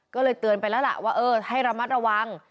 ก็เลยเตือนไปแล้วล่ะว่าเออให้ระมัดระวัง